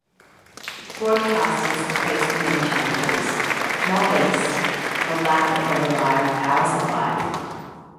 Broadcasters face many challenges, not least the lack of a reliable power supply.